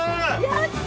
やった！